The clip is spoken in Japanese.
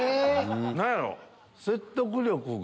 何やろ？